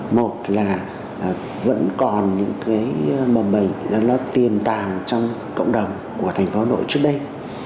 một là vẫn còn những mầm bệnh tiềm tàng trong cộng đồng của thành phố hà nội trước đây